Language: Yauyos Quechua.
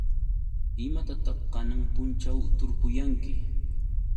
¿Imataq kanan punćhaw tarpuyanki?